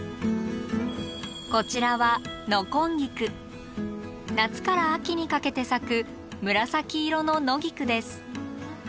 こちらは夏から秋にかけて咲く紫色の野菊です。